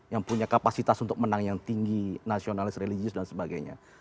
yang punya kapasitas untuk menang yang tinggi nasionalis religius dan sebagainya